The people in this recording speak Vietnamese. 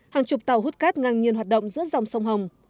hàng chục tàu hút cát ngang nhiên hoạt động giữa dòng sông hồng